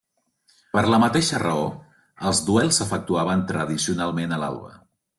Per la mateixa raó, els duels s'efectuaven tradicionalment a l'alba.